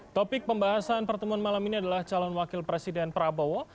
topik pembahasan pertemuan malam ini adalah calon wakil presiden prabowo